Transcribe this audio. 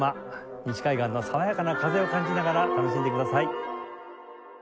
西海岸の爽やかな風を感じながら楽しんでください。